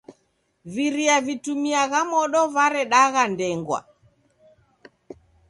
Viria vitumiagha modo varedagha ndengwa.